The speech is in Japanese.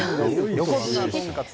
横綱とんかつ